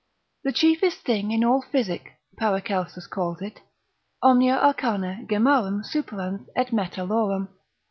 The chiefest thing in all physic, Paracelsus calls it, omnia arcana gemmarum superans et metallorum.